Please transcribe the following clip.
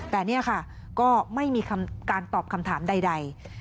แต่นี่ค่ะก็ไม่มีการตอบคำถามใด